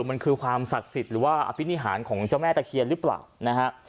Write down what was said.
มันคือความศักดิ์สิทธิ์หรือว่าอภินิหารของเจ้าแม่ตะเคียนหรือเปล่านะฮะ